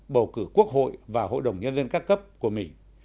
bầu cử quốc hội và hội đồng nhân dân các cấp của mình